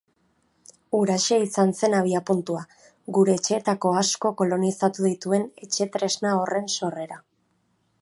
Huraxe izan zen abiapuntua, gure etxeetako asko kolonizatu dituen etxetresna horren sorrera.